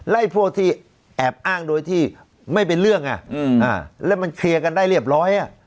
ไอ้พวกที่แอบอ้างโดยที่ไม่เป็นเรื่องแล้วมันเคลียร์กันได้เรียบร้อย